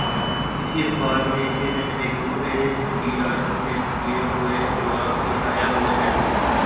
اسی اخبار میں، اسی دن، ایک دوسرے جید عالم کے دیے ہوئے جواب بھی شائع ہوئے ہیں۔